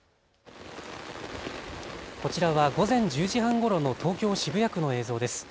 こちらは午前１０時半ごろの東京渋谷区の映像です。